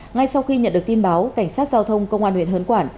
ngay sau khi nhận được tin báo cảnh sát giao thông công an huyện hớn quản